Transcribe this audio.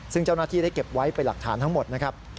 ซึ่งเจ้าหน้าที่ได้เก็บไว้เป็นหลักฐานทั้งหมดนะครับ